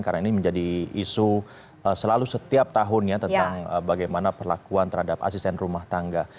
karena ini menjadi isu selalu setiap tahunnya tentang bagaimana perlakuan terhadap asisten rumah tangga